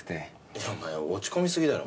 いやお前落ち込みすぎだろ。